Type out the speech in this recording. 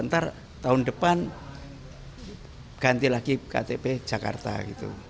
ntar tahun depan ganti lagi ktp jakarta gitu